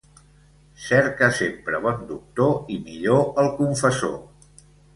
Cerca sempre bon doctor i millor el confessor.